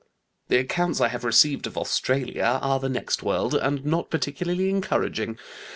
The accounts I have received of Australia and the next world, are not particularly encouraging.